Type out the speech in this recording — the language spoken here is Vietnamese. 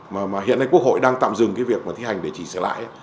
mà hiện nay quốc hội đang tạm dừng cái việc mà thi hành để chỉ xử lại